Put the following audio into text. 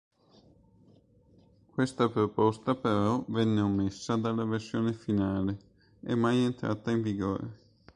Questa proposta però venne omessa dalla versione finale e mai entrata in vigore.